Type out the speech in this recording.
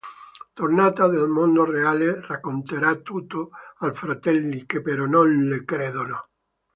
Tornata nel mondo reale racconterà tutto ai fratelli che però non le credono.